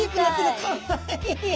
かわいい。